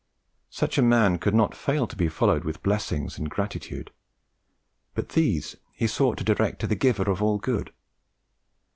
Such a man could not fail to be followed with blessings and gratitude; but these he sought to direct to the Giver of all Good.